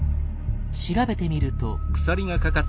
調べてみると。